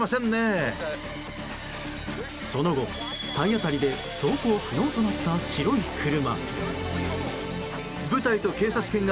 その後、体当たりで走行不能となった白い車。